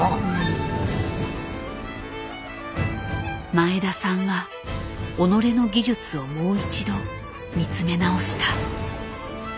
前田さんは己の技術をもう一度見つめ直した。